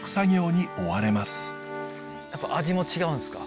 やっぱ味も違うんですか？